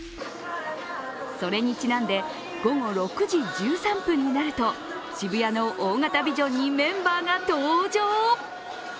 それにちなんで、午後６時１３分になると渋谷の大型ビジョンにメンバーが登場。